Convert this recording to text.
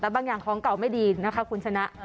แต่บางอย่างของเก่าไม่ดีนะคะคุณชนะ